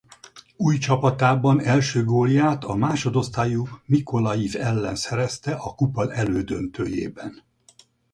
Új csapatában első gólját a másodosztályú Mikolajiv ellen szerezte a kupa elődöntőjében.